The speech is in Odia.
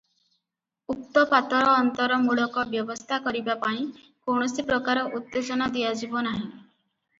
ଉକ୍ତ ପାତରଅନ୍ତରମୂଳକ ବ୍ୟବସ୍ଥା କରିବା ପାଇଁ କୌଣସି ପ୍ରକାର ଉତ୍ତେଜନା ଦିଆଯିବ ନାହିଁ ।